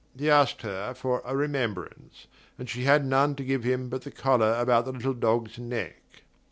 He asked her for a remembrance, and she had none to give him but the collar about the little dog's neck.